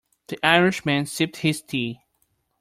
The Irish man sipped his tea.